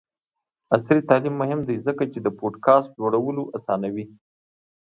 عصري تعلیم مهم دی ځکه چې د پوډکاسټ جوړولو اسانوي.